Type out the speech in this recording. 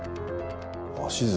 鷲津。